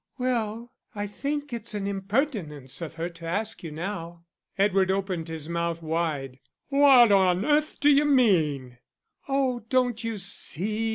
"Well, I think it's an impertinence of her to ask you now." Edward opened his mouth wide: "What on earth d'you mean?" "Oh, don't you see?"